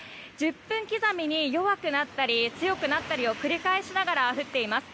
１０分刻みに弱くなったり強くなったりを繰り返しながら降っています。